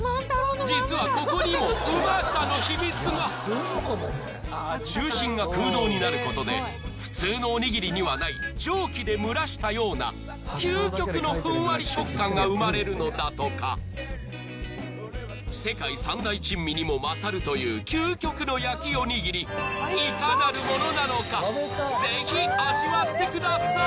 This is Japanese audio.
実はここにもうまさの秘密が中心が空洞になることで普通のおにぎりにはない蒸気で蒸らしたような究極のふんわり食感が生まれるのだとか世界三大珍味にも勝るという究極の焼きおにぎりいかなるものなのかぜひ味わってください！